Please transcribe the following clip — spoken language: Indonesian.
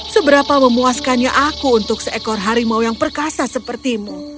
seberapa memuaskannya aku untuk seekor harimau yang perkasa sepertimu